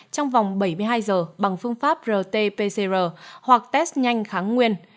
trong vòng bảy mươi hai giờ bằng phương pháp rt pcr hoặc test nhanh kháng nguyên